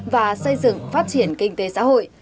và xây dựng phát triển kinh tế xã hội